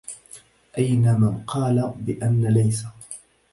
أين من قال بأن ليس